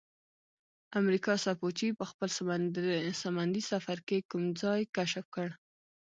امریکا سپوچي په خپل سمندي سفر کې کوم ځای کشف کړ؟